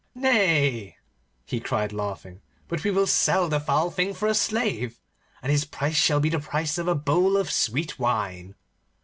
'Nay,' he cried, laughing, 'but we will sell the foul thing for a slave, and his price shall be the price of a bowl of sweet wine.